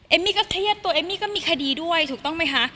มี่ก็เครียดตัวเอมมี่ก็มีคดีด้วยถูกต้องไหมคะ